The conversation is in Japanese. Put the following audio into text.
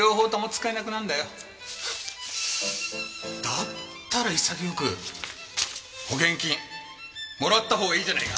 だったら潔く保険金もらった方がいいじゃないか。